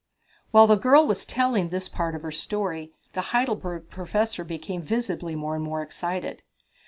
While the girl was telling this part of her story the Heidelberg Professor became visibly more and more excited.